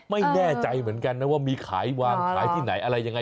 ไม่แน่ใจเหมือนกันนะว่ามีขายวางขายที่ไหนอะไรยังไง